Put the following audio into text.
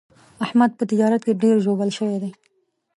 احمد په تجارت کې ډېر ژوبل شوی دی.